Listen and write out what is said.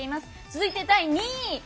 続いて第２位！